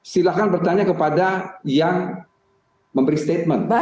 silahkan bertanya kepada yang memberi statement